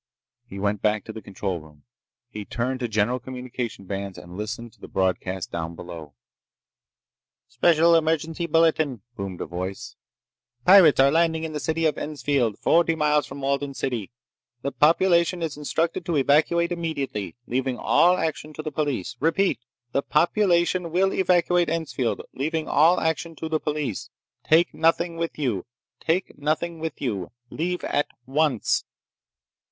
He went back to the control room. He turned to general communication bands and listened to the broadcasts down below. "Special Emergency Bulletin!" boomed a voice. "Pirates are landing in the city of Ensfield, forty miles from Walden City. The population is instructed to evacuate immediately, leaving all action to the police. Repeat! The population will evacuate Ensfield, leaving all action to the police. Take nothing with you. Take nothing with you. Leave at once."